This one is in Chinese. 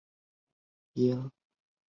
对于胃肠和呼吸的疾病有益。